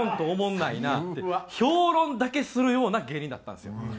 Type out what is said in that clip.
おもんないなって評論だけするような芸人だったんですよ。